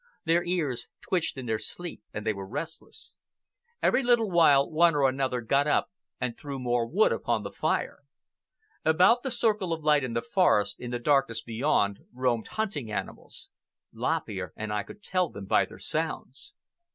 Their ears twitched in their sleep, and they were restless. Every little while one or another got up and threw more wood upon the fire. About the circle of light in the forest, in the darkness beyond, roamed hunting animals. Lop Ear and I could tell them by their sounds.